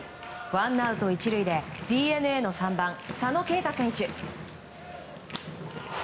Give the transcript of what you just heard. ワンアウト１塁でＤｅＮＡの３番、佐野恵太選手。